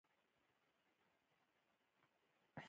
سهار د وخته راپاڅېدل هم یوه لارښوونه ده.